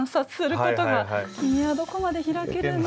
「君はどこまで開けるの？」